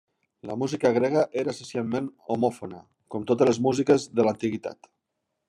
La música grega era essencialment homòfona, com totes les músiques de l'antiguitat.